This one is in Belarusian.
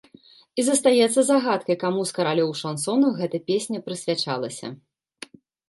І застаецца загадкай, каму з каралёў шансону гэта песня прысвячалася.